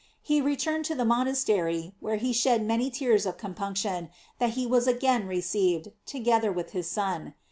He returned to the monastery, where he shed so many tears of compunction that he was again received, to gether with his son.